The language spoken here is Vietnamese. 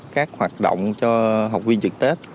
các hoạt động cho học viên trực tết